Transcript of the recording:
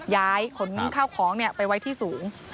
ขนข้าวของไปไว้ที่สูง